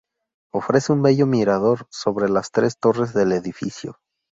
Ofrece un bello mirador sobre las tres torres del edificio.